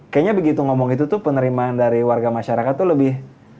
kayaknya begitu ngomong itu tuh penerimaan dari warga masyarakat tuh lebih